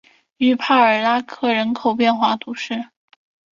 于帕尔拉克人口变化图示